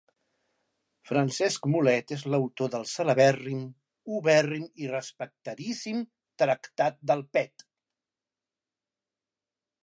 Francesc Mulet és l'autor del celebèrrim, ubèrrim i respectadíssim 'Tractat del Pet'.